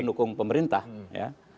pendukung pemerintah ya